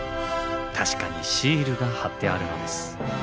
確かにシールが貼ってあるのです。